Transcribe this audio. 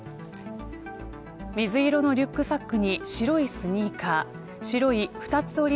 水色のリュックサックに白いスニーカー白い二つ折り